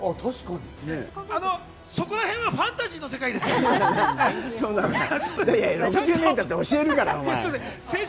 そこらへんはファンタジーの世界ですから。